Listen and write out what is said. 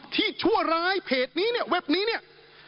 ชั่วร้ายเพจนี้เนี่ยเว็บนี้เนี่ย